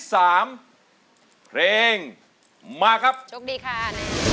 สามเพลงมาครับโชคดีค่ะ